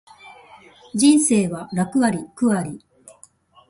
人生は楽あり苦あり